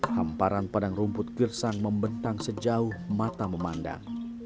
hamparan padang rumput gersang membentang sejauh mata memandang